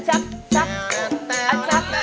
อันทรัป